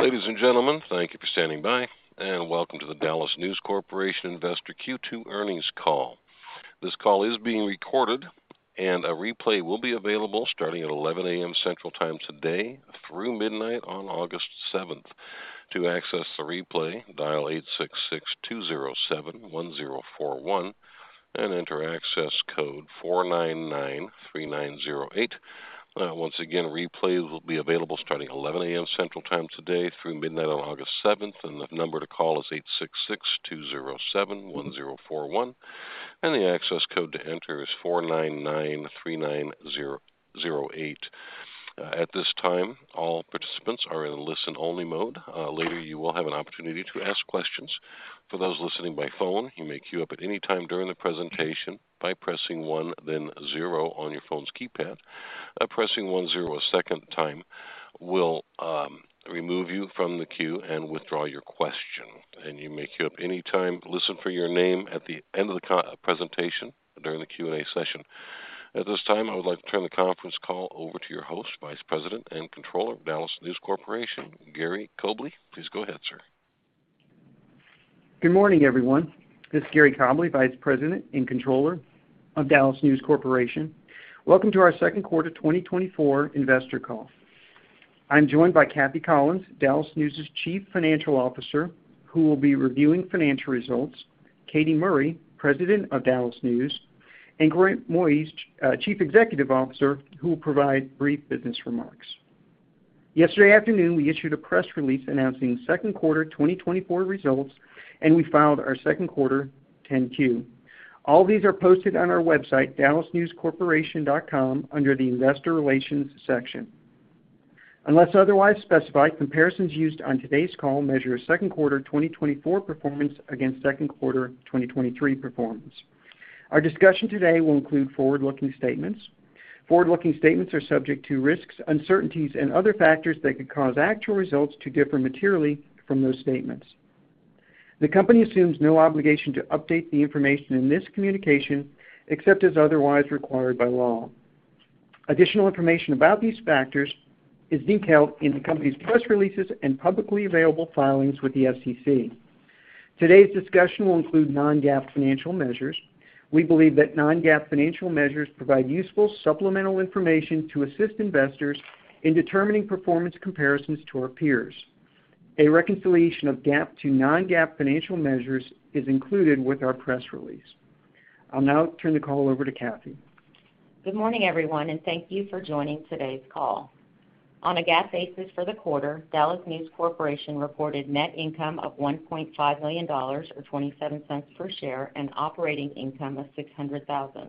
Ladies and gentlemen, thank you for standing by, and welcome to the DallasNews Corporation Investor Q2 earnings call. This call is being recorded, and a replay will be available starting at 11:00 A.M. Central Time today through midnight on August 7th. To access the replay, dial 866-207-1041 and enter access code 4993908. Once again, replay will be available starting at 11:00 A.M. Central Time today through midnight on August 7th, and the number to call is 866-207-1041. And the access code to enter is 4993908. At this time, all participants are in listen-only mode. Later, you will have an opportunity to ask questions. For those listening by phone, you may queue up at any time during the presentation by pressing one, then zero on your phone's keypad. Pressing one zero a second time will remove you from the queue and withdraw your question. And you may queue up any time. Listen for your name at the end of the presentation during the Q&A session. At this time, I would like to turn the conference call over to your host, Vice President and Controller of DallasNews Corporation, Gary Cobleigh. Please go ahead, sir. Good morning, everyone. This is Gary Cobleigh, Vice President and Controller of DallasNews Corporation. Welcome to our Second Quarter 2024 Investor Call. I'm joined by Cathy Collins, DallasNews' Chief Financial Officer, who will be reviewing financial results. Katy Murray, President of DallasNews, and Grant Moise, Chief Executive Officer, who will provide brief business remarks. Yesterday afternoon, we issued a press release announcing Second Quarter 2024 Results, and we filed our Second Quarter 10-Q. All these are posted on our website, dallasnewscorporation.com, under the Investor Relations section. Unless otherwise specified, comparisons used on today's call measure second quarter 2024 performance against second quarter 2023 performance. Our discussion today will include forward-looking statements. Forward-looking statements are subject to risks, uncertainties, and other factors that could cause actual results to differ materially from those statements. The company assumes no obligation to update the information in this communication except as otherwise required by law. Additional information about these factors is detailed in the company's press releases and publicly available filings with the SEC. Today's discussion will include non-GAAP financial measures. We believe that non-GAAP financial measures provide useful supplemental information to assist investors in determining performance comparisons to our peers. A reconciliation of GAAP to non-GAAP financial measures is included with our press release. I'll now turn the call over to Cathy. Good morning everyone, and thank you for joining today's call. On a GAAP basis for the quarter, DallasNews Corporation reported net income of $1.5 million or $0.27 per share and operating income of $600,000.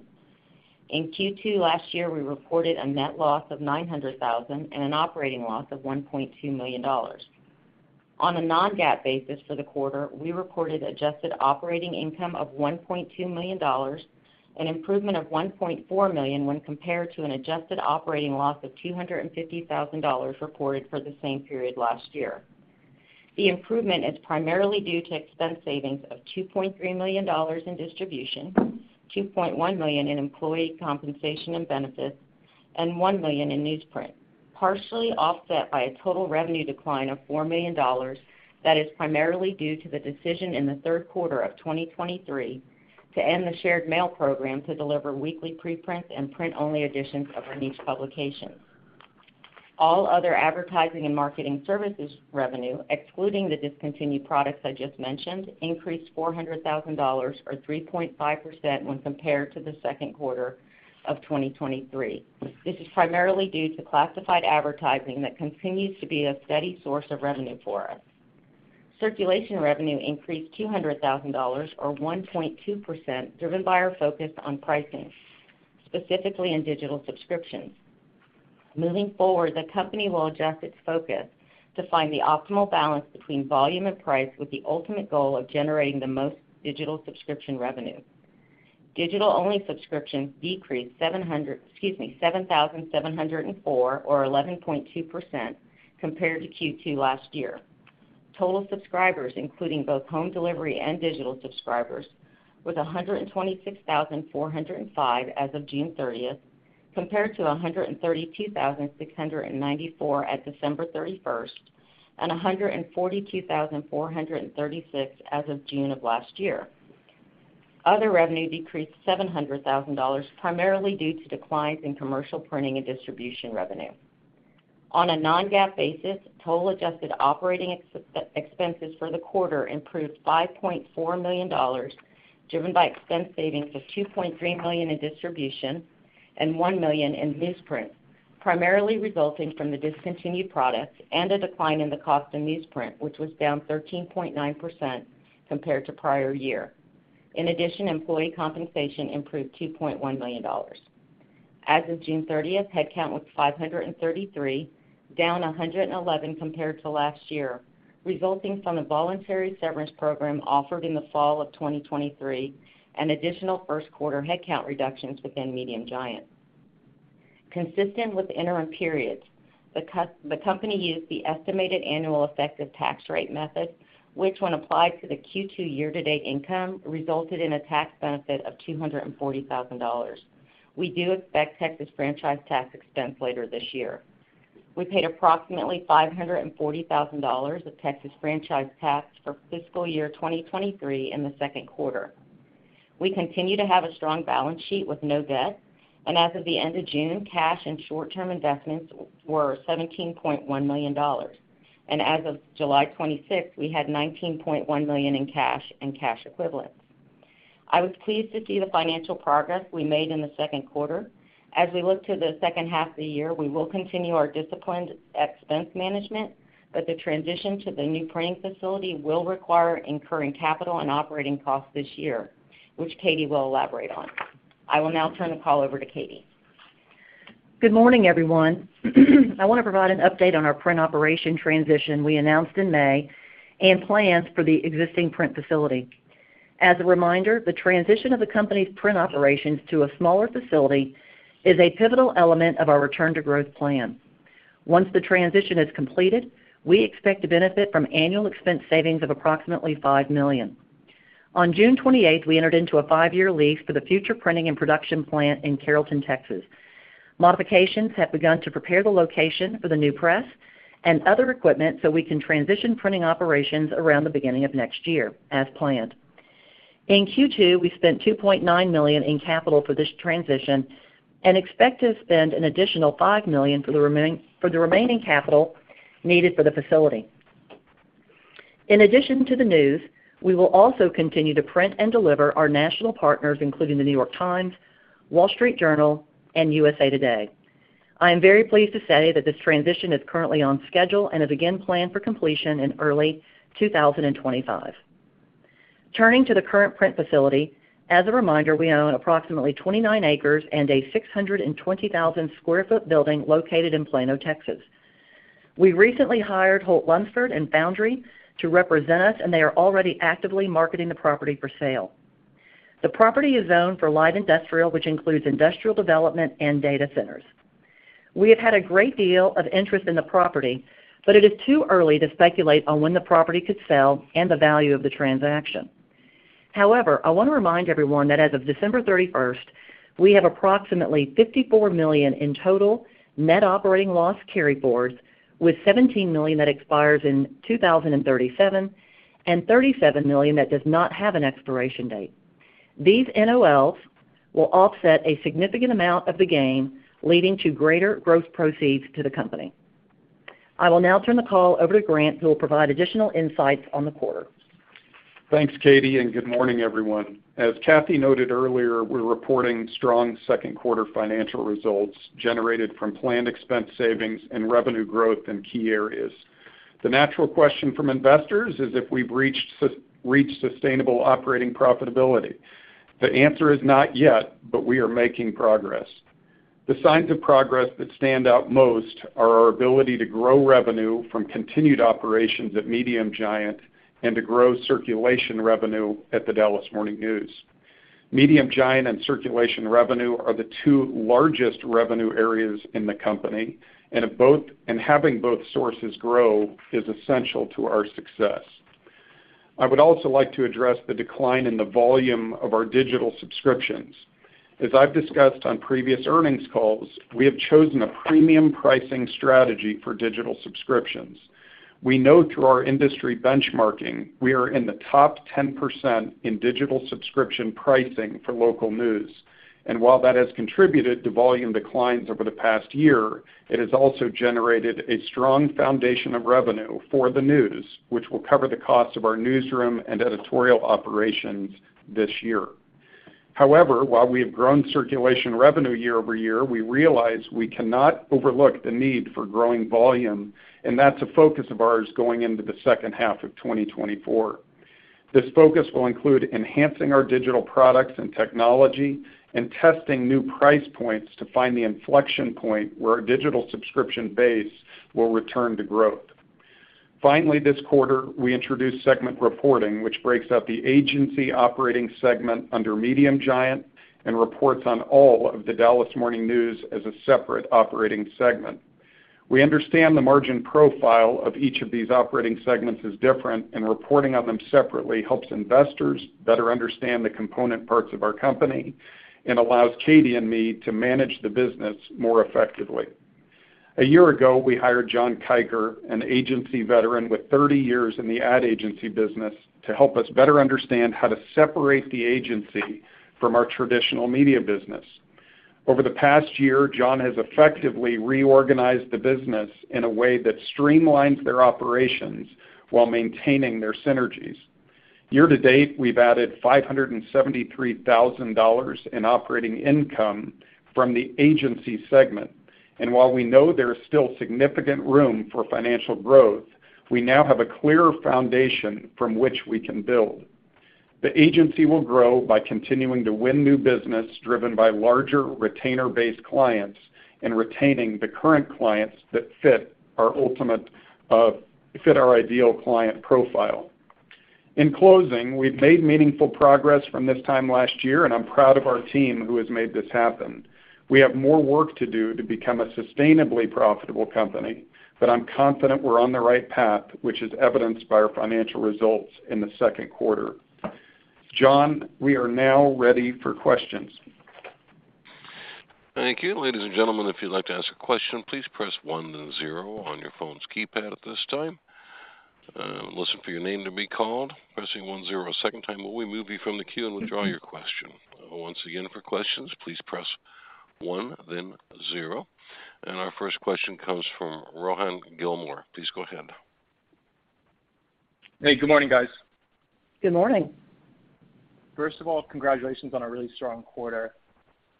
In Q2 last year, we reported a net loss of $900,000 and an operating loss of $1.2 million. On a non-GAAP basis for the quarter, we reported adjusted operating income of $1.2 million and improvement of $1.4 million when compared to an adjusted operating loss of $250,000 reported for the same period last year. The improvement is primarily due to expense savings of $2.3 million in distribution, $2.1 million in employee compensation and benefits, and $1 million in newsprint, partially offset by a total revenue decline of $4 million that is primarily due to the decision in the third quarter of 2023 to end the shared mail program to deliver weekly preprint and print-only editions of our niche publications. All other advertising and marketing services revenue, excluding the discontinued products I just mentioned, increased $400,000 or 3.5% when compared to the second quarter of 2023. This is primarily due to classified advertising that continues to be a steady source of revenue for us. Circulation revenue increased $200,000 or 1.2%, driven by our focus on pricing, specifically in digital subscriptions. Moving forward, the company will adjust its focus to find the optimal balance between volume and price with the ultimate goal of generating the most digital subscription revenue. Digital-only subscriptions decreased 7,704 or 11.2% compared to Q2 last year. Total subscribers, including both home delivery and digital subscribers, was 126,405 as of June 30th, compared to 132,694 at December 31st and 142,436 as of June of last year. Other revenue decreased $700,000, primarily due to declines in commercial printing and distribution revenue. On a Non-GAAP basis, total adjusted operating expenses for the quarter improved $5.4 million, driven by expense savings of $2.3 million in distribution and $1 million in newsprint, primarily resulting from the discontinued products and a decline in the cost of newsprint, which was down 13.9% compared to prior year. In addition, employee compensation improved $2.1 million. As of June 30th, headcount was 533, down 111 compared to last year, resulting from the voluntary severance program offered in the fall of 2023 and additional first quarter headcount reductions within Medium Giant. Consistent with interim periods, the company used the estimated annual effective tax rate method, which, when applied to the Q2 year-to-date income, resulted in a tax benefit of $240,000. We do expect Texas franchise tax expense later this year. We paid approximately $540,000 of Texas franchise tax for fiscal year 2023 in the second quarter. We continue to have a strong balance sheet with no debt, and as of the end of June, cash and short-term investments were $17.1 million. As of July 26th, we had $19.1 million in cash and cash equivalents. I was pleased to see the financial progress we made in the second quarter. As we look to the second half of the year, we will continue our disciplined expense management, but the transition to the new printing facility will require incurring capital and operating costs this year, which Katy will elaborate on. I will now turn the call over to Katy. Good morning, everyone. I want to provide an update on our print operation transition we announced in May and plans for the existing print facility. As a reminder, the transition of the company's print operations to a smaller facility is a pivotal element of our return-to-growth plan. Once the transition is completed, we expect to benefit from annual expense savings of approximately $5 million. On June 28th, we entered into a five-year lease for the future printing and production plant in Carrollton, Texas. Modifications have begun to prepare the location for the new press and other equipment so we can transition printing operations around the beginning of next year as planned. In Q2, we spent $2.9 million in capital for this transition and expect to spend an additional $5 million for the remaining capital needed for the facility. In addition to the news, we will also continue to print and deliver our national partners, including The New York Times, The Wall Street Journal, and USA Today. I am very pleased to say that this transition is currently on schedule and is again planned for completion in early 2025. Turning to the current print facility, as a reminder, we own approximately 29 acres and a 620,000-sq-ft building located in Plano, Texas. We recently hired Holt Lunsford and Foundry to represent us, and they are already actively marketing the property for sale. The property is zoned for light industrial, which includes industrial development and data centers. We have had a great deal of interest in the property, but it is too early to speculate on when the property could sell and the value of the transaction. However, I want to remind everyone that as of December 31st, we have approximately $54 million in total net operating loss carry forwards, with $17 million that expires in 2037 and $37 million that does not have an expiration date. These NOLs will offset a significant amount of the gain, leading to greater gross proceeds to the company. I will now turn the call over to Grant, who will provide additional insights on the quarter. Thanks, Katy, and good morning, everyone. As Cathy noted earlier, we're reporting strong second quarter financial results generated from planned expense savings and revenue growth in key areas. The natural question from investors is if we've reached sustainable operating profitability. The answer is not yet, but we are making progress. The signs of progress that stand out most are our ability to grow revenue from continued operations at Medium Giant and to grow circulation revenue at The Dallas Morning News. Medium Giant and circulation revenue are the two largest revenue areas in the company, and having both sources grow is essential to our success. I would also like to address the decline in the volume of our digital subscriptions. As I've discussed on previous earnings calls, we have chosen a premium pricing strategy for digital subscriptions. We know through our industry benchmarking we are in the top 10% in digital subscription pricing for local news. While that has contributed to volume declines over the past year, it has also generated a strong foundation of revenue for the news, which will cover the cost of our newsroom and editorial operations this year. However, while we have grown circulation revenue year-over-year, we realize we cannot overlook the need for growing volume, and that's a focus of ours going into the second half of 2024. This focus will include enhancing our digital products and technology and testing new price points to find the inflection point where our digital subscription base will return to growth. Finally, this quarter, we introduced segment reporting, which breaks up the agency operating segment under Medium Giant and reports on all of The Dallas Morning News as a separate operating segment. We understand the margin profile of each of these operating segments is different, and reporting on them separately helps investors better understand the component parts of our company and allows Katy and me to manage the business more effectively. A year ago, we hired John Kiker, an agency veteran with 30 years in the ad agency business, to help us better understand how to separate the agency from our traditional media business. Over the past year, John has effectively reorganized the business in a way that streamlines their operations while maintaining their synergies. Year to date, we've added $573,000 in operating income from the agency segment. And while we know there is still significant room for financial growth, we now have a clear foundation from which we can build. The agency will grow by continuing to win new business driven by larger retainer-based clients and retaining the current clients that fit our ideal client profile. In closing, we've made meaningful progress from this time last year, and I'm proud of our team who has made this happen. We have more work to do to become a sustainably profitable company, but I'm confident we're on the right path, which is evidenced by our financial results in the second quarter. John, we are now ready for questions. Thank you. Ladies and gentlemen, if you'd like to ask a question, please press one then zero on your phone's keypad at this time. Listen for your name to be called. Pressing 1 0 a second time will remove you from the queue and withdraw your question. Once again, for questions, please press one then zero. And our first question comes from Rohan Gilmore. Please go ahead. Hey, good morning, guys. Good morning. First of all, congratulations on a really strong quarter.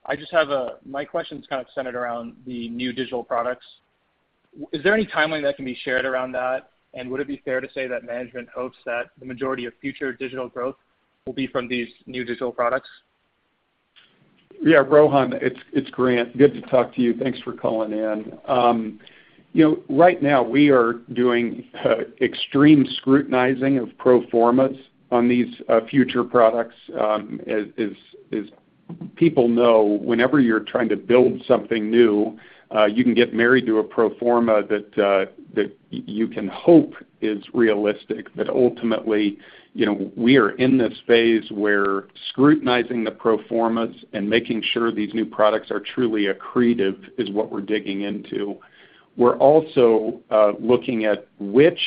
I just have my question is kind of centered around the new digital products. Is there any timeline that can be shared around that? And would it be fair to say that management hopes that the majority of future digital growth will be from these new digital products? Yeah, Rohan, it's Grant. Good to talk to you. Thanks for calling in. Right now, we are doing extreme scrutinizing of pro formas on these future products. As people know, whenever you're trying to build something new, you can get married to a pro forma that you can hope is realistic. But ultimately, we are in this phase where scrutinizing the pro formas and making sure these new products are truly accretive is what we're digging into. We're also looking at which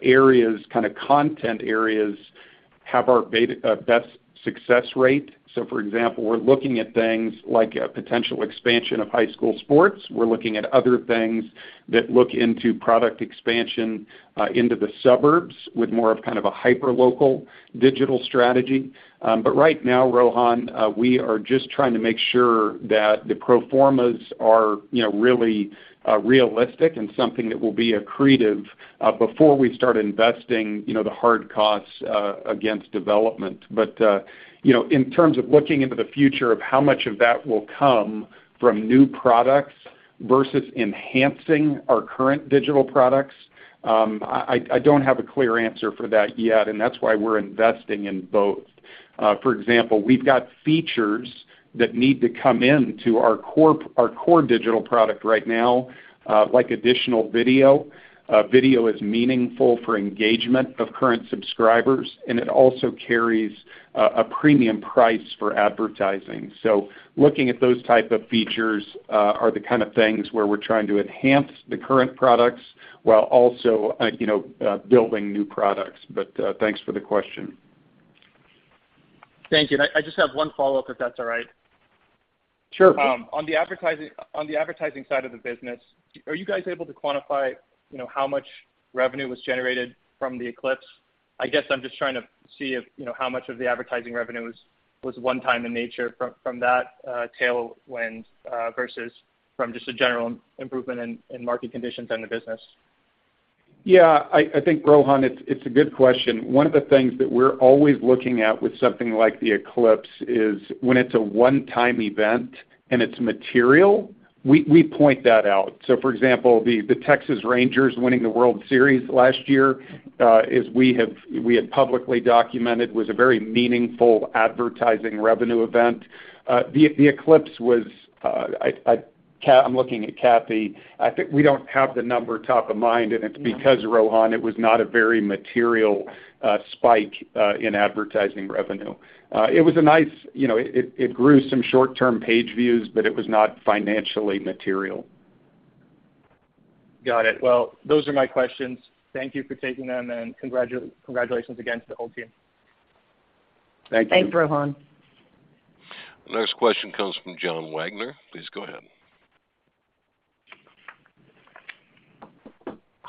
areas, kind of content areas, have our best success rate. So, for example, we're looking at things like a potential expansion of high school sports. We're looking at other things that look into product expansion into the suburbs with more of kind of a hyper-local digital strategy. But right now, Rohan, we are just trying to make sure that the pro formas are really realistic and something that will be accretive before we start investing the hard costs against development. But in terms of looking into the future of how much of that will come from new products versus enhancing our current digital products, I don't have a clear answer for that yet, and that's why we're investing in both. For example, we've got features that need to come into our core digital product right now, like additional video. Video is meaningful for engagement of current subscribers, and it also carries a premium price for advertising. So looking at those types of features are the kind of things where we're trying to enhance the current products while also building new products. But thanks for the question. Thank you. I just have one follow-up, if that's all right. Sure. On the advertising side of the business, are you guys able to quantify how much revenue was generated from the eclipse? I guess I'm just trying to see how much of the advertising revenue was one-time in nature from that tailwind versus from just a general improvement in market conditions and the business. Yeah, I think, Rohan, it's a good question. One of the things that we're always looking at with something like the eclipse is when it's a one-time event and it's material, we point that out. So, for example, the Texas Rangers winning the World Series last year, as we had publicly documented, was a very meaningful advertising revenue event. The eclipse was. I'm looking at Cathy. I think we don't have the number top of mind, and it's because, Rohan, it was not a very material spike in advertising revenue. It was a nice. It grew some short-term page views, but it was not financially material. Got it. Well, those are my questions. Thank you for taking them, and congratulations again to the whole team. Thank you. Thanks, Rohan. The next question comes from John Wagner. Please go ahead.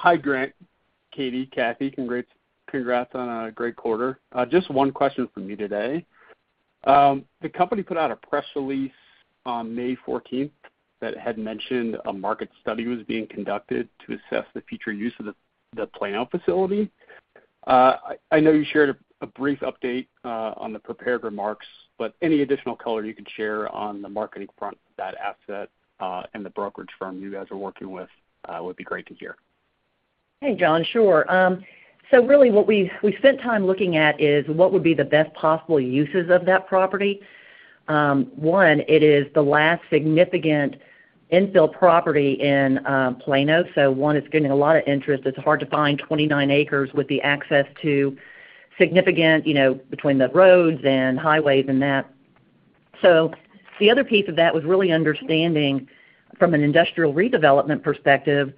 Hi, Grant. Katy, Cathy, congrats on a great quarter. Just one question for me today. The company put out a press release on May 14th that had mentioned a market study was being conducted to assess the future use of the Plano facility. I know you shared a brief update on the prepared remarks, but any additional color you can share on the marketing front of that asset and the brokerage firm you guys are working with would be great to hear. Hey, John, sure. So really, what we spent time looking at is what would be the best possible uses of that property. One, it is the last significant infill property in Plano. So one, it's getting a lot of interest. It's hard to find 29 acres with the access to significant between the roads and highways and that. So the other piece of that was really understanding from an industrial redevelopment perspective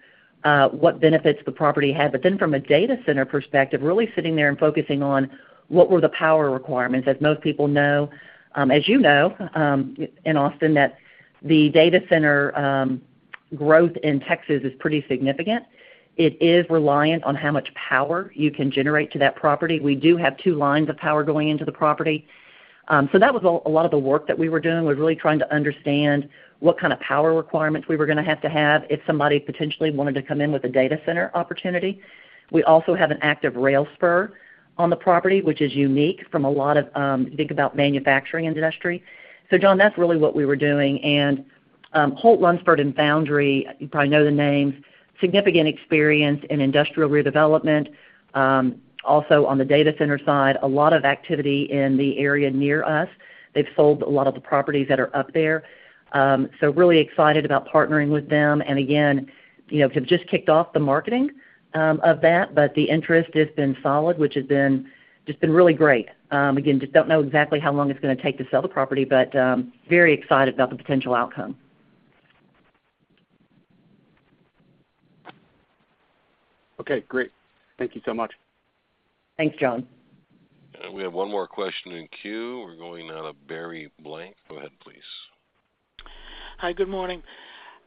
what benefits the property had. But then from a data center perspective, really sitting there and focusing on what were the power requirements. As most people know, as you know, in Austin, that the data center growth in Texas is pretty significant. It is reliant on how much power you can generate to that property. We do have two lines of power going into the property. So that was a lot of the work that we were doing. We're really trying to understand what kind of power requirements we were going to have to have if somebody potentially wanted to come in with a data center opportunity. We also have an active rail spur on the property, which is unique from a lot of, think about manufacturing industry. So, John, that's really what we were doing. And Holt Lunsford and Foundry, you probably know the names, significant experience in industrial redevelopment. Also on the data center side, a lot of activity in the area near us. They've sold a lot of the properties that are up there. So really excited about partnering with them. And again, have just kicked off the marketing of that, but the interest has been solid, which has been just really great. Again, just don't know exactly how long it's going to take to sell the property, but very excited about the potential outcome. Okay, great. Thank you so much. Thanks, John. We have one more question in queue. We're going out of Barry Blank. Go ahead, please. Hi, good morning.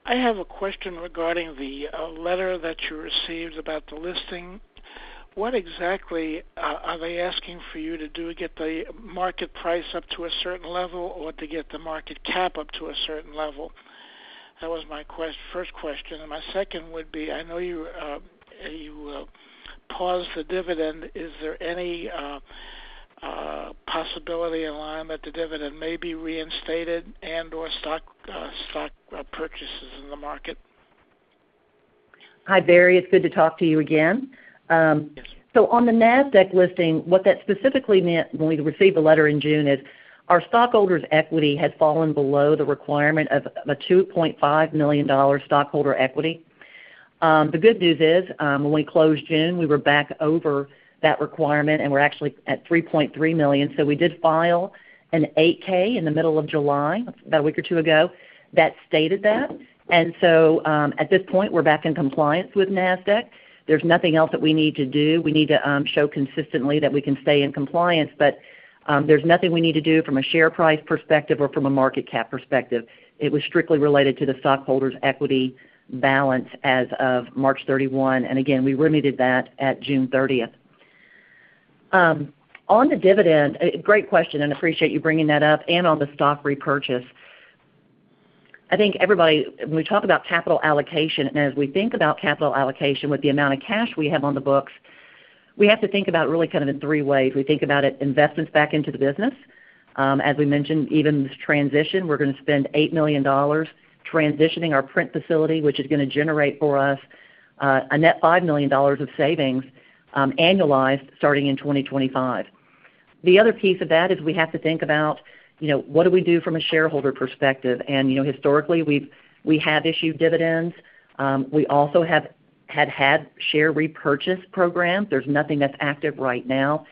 I have a question regarding the letter that you received about the listing. What exactly are they asking for you to do to get the market price up to a certain level or to get the market cap up to a certain level? That was my first question. My second would be, I know you paused the dividend. Is there any possibility in line that the dividend may be reinstated and/or stock purchases in the market? Hi, Barry. It's good to talk to you again. So on the NASDAQ listing, what that specifically meant when we received the letter in June is our stockholders' equity had fallen below the requirement of a $2.5 million stockholder equity. The good news is when we closed June, we were back over that requirement, and we're actually at $3.3 million. So we did file an 8-K in the middle of July about a week or two ago that stated that. And so at this point, we're back in compliance with NASDAQ. There's nothing else that we need to do. We need to show consistently that we can stay in compliance, but there's nothing we need to do from a share price perspective or from a market cap perspective. It was strictly related to the stockholders' equity balance as of March 31. And again, we remitted that at June 30th. On the dividend, great question, and appreciate you bringing that up. And on the stock repurchase, I think everybody, when we talk about capital allocation and as we think about capital allocation with the amount of cash we have on the books, we have to think about it really kind of in three ways. We think about it investments back into the business. As we mentioned, even this transition, we're going to spend $8 million transitioning our print facility, which is going to generate for us a net $5 million of savings annualized starting in 2025. The other piece of that is we have to think about what do we do from a shareholder perspective. And historically, we have issued dividends. We also have had share repurchase programs. There's nothing that's active right now.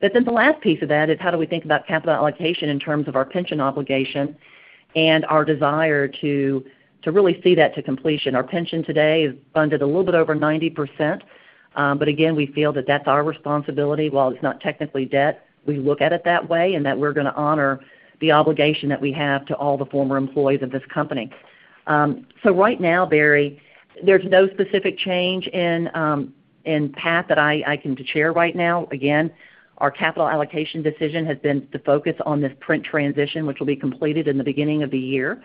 But then the last piece of that is how do we think about capital allocation in terms of our pension obligation and our desire to really see that to completion. Our pension today is funded a little bit over 90%. But again, we feel that that's our responsibility. While it's not technically debt, we look at it that way and that we're going to honor the obligation that we have to all the former employees of this company. So right now, Barry, there's no specific change in path that I can share right now. Again, our capital allocation decision has been to focus on this print transition, which will be completed in the beginning of the year.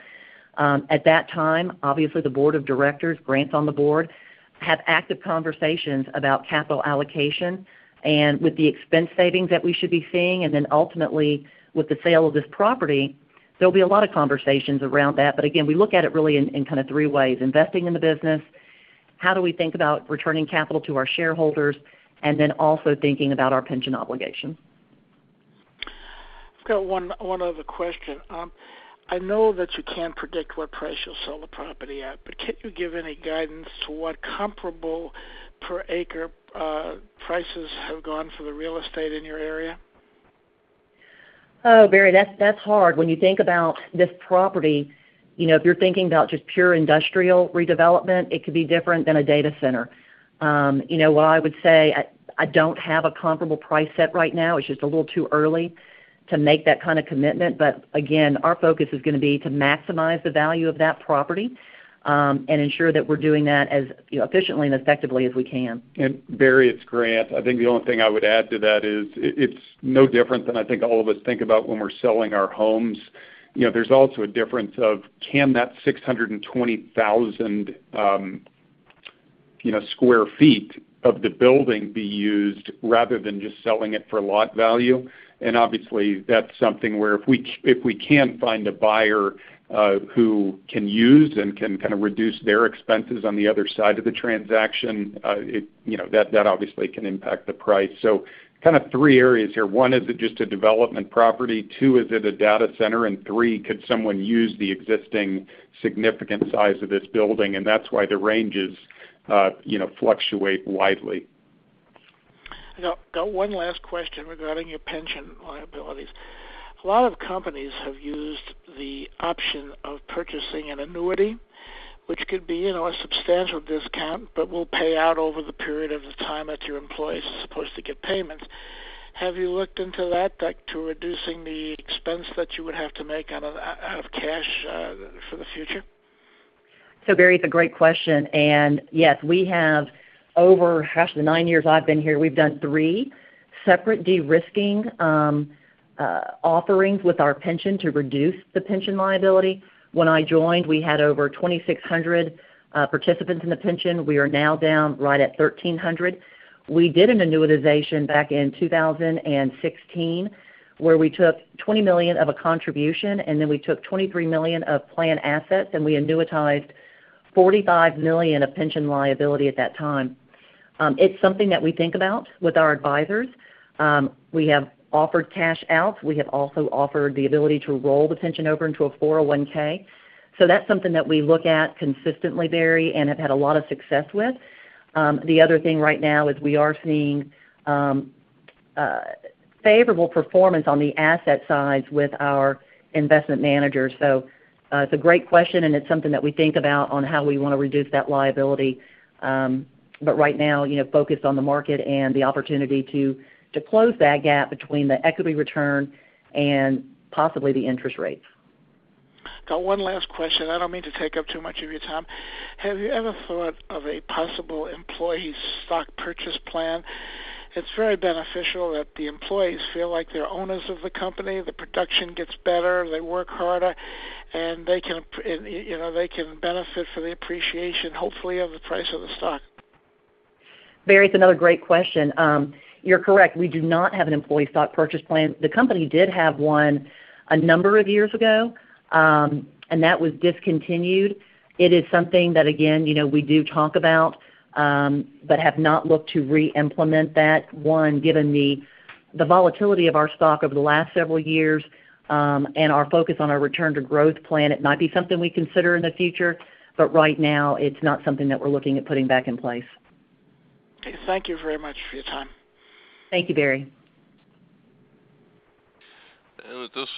At that time, obviously, the board of directors, Grant's on the board, have active conversations about capital allocation and with the expense savings that we should be seeing. And then ultimately, with the sale of this property, there'll be a lot of conversations around that. But again, we look at it really in kind of three ways: investing in the business, how do we think about returning capital to our shareholders, and then also thinking about our pension obligation. So, one other question. I know that you can't predict what price you'll sell the property at, but can you give any guidance to what comparable per acre prices have gone for the real estate in your area? Oh, Barry, that's hard. When you think about this property, if you're thinking about just pure industrial redevelopment, it could be different than a data center. What I would say, I don't have a comparable price set right now. It's just a little too early to make that kind of commitment. But again, our focus is going to be to maximize the value of that property and ensure that we're doing that as efficiently and effectively as we can. Barry, it's Grant. I think the only thing I would add to that is it's no different than I think all of us think about when we're selling our homes. There's also a difference of can that 620,000 sq ft of the building be used rather than just selling it for lot value? And obviously, that's something where if we can find a buyer who can use and can kind of reduce their expenses on the other side of the transaction, that obviously can impact the price. So kind of three areas here. One is it just a development property? Two is it a data center? And three, could someone use the existing significant size of this building? And that's why the ranges fluctuate widely. I've got one last question regarding your pension liabilities. A lot of companies have used the option of purchasing an annuity, which could be a substantial discount, but will pay out over the period of the time that your employees are supposed to get payments. Have you looked into that to reducing the expense that you would have to make out of cash for the future? So, Barry, it's a great question. And yes, we have over the 9 years I've been here, we've done 3 separate de-risking offerings with our pension to reduce the pension liability. When I joined, we had over 2,600 participants in the pension. We are now down right at 1,300. We did an annuitization back in 2016 where we took $20 million of a contribution, and then we took $23 million of plan assets, and we annuitized $45 million of pension liability at that time. It's something that we think about with our advisors. We have offered cash out. We have also offered the ability to roll the pension over into a 401(k). So that's something that we look at consistently, Barry, and have had a lot of success with. The other thing right now is we are seeing favorable performance on the asset sides with our investment managers. It's a great question, and it's something that we think about on how we want to reduce that liability. But right now, focused on the market and the opportunity to close that gap between the equity return and possibly the interest rates. I've got one last question. I don't mean to take up too much of your time. Have you ever thought of a possible employee stock purchase plan? It's very beneficial that the employees feel like they're owners of the company, the production gets better, they work harder, and they can benefit from the appreciation, hopefully, of the price of the stock. Barry, it's another great question. You're correct. We do not have an employee stock purchase plan. The company did have one a number of years ago, and that was discontinued. It is something that, again, we do talk about, but have not looked to re-implement that. One, given the volatility of our stock over the last several years and our focus on our return to growth plan, it might be something we consider in the future, but right now, it's not something that we're looking at putting back in place. Okay. Thank you very much for your time. Thank you, Barry. At this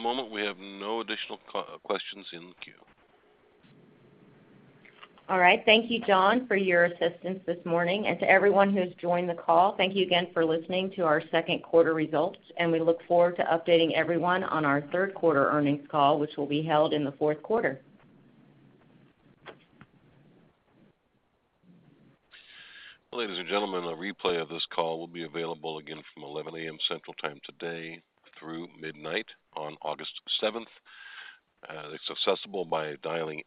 moment, we have no additional questions in the queue. All right. Thank you, John, for your assistance this morning. To everyone who has joined the call, thank you again for listening to our second quarter results. We look forward to updating everyone on our third quarter earnings call, which will be held in the fourth quarter. Ladies and gentlemen, a replay of this call will be available again from 11:00 A.M. Central Time today through midnight on August 7th. It's accessible by dialing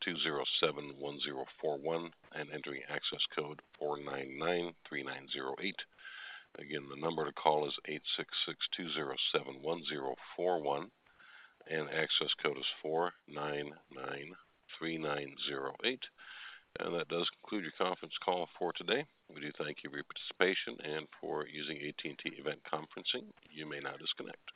866-207-1041 and entering access code 4993908. Again, the number to call is 866-207-1041, and access code is 4993908. That does conclude your conference call for today. We do thank you for your participation and for using AT&T Event Conferencing. You may now disconnect.